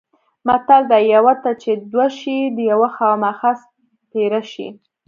متل دی: یوه ته چې دوه شي د یوه خوامخا سپېره شي.